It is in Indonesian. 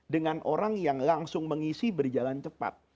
dengan orang yang langsung mengisi berjalan cepat